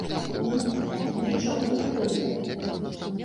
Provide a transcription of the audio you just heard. Не, такі нічога не выйдзе.